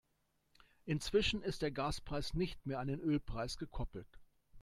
Inzwischen ist der Gaspreis nicht mehr an den Ölpreis gekoppelt.